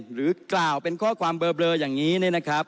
หรือกล่าวเป็นข้อความเบลออย่างนี้เนี่ยนะครับ